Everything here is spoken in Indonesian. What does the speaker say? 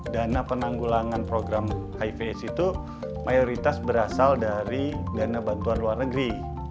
dana penanggulangan program hiv aids itu mayoritas berasal dari dana bantuan luar negeri